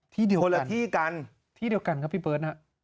คนละที่กันที่เดียวกันครับพี่เบิร์ตอ่ะ